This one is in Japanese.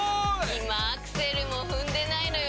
今アクセルも踏んでないのよ